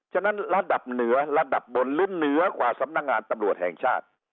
ฉะนั้นระดับเหนือระดับบนลุ้นเหนือกว่าสำนักงานตำรวจแห่งชาติ